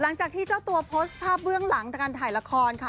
หลังจากที่เจ้าตัวโพสต์ภาพเบื้องหลังจากการถ่ายละครค่ะ